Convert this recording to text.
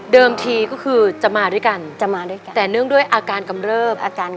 ทีก็คือจะมาด้วยกันจะมาด้วยกันแต่เนื่องด้วยอาการกำเริบอาการ